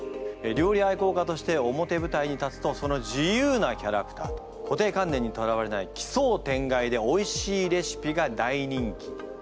料理愛好家として表舞台に立つとその自由なキャラクターと固定観念にとらわれない奇想天外でおいしいレシピが大人気。